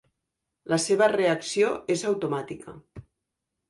La seva reacció és automàtica.